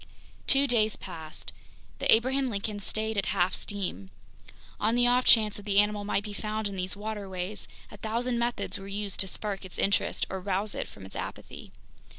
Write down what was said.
Two days passed. The Abraham Lincoln stayed at half steam. On the offchance that the animal might be found in these waterways, a thousand methods were used to spark its interest or rouse it from its apathy.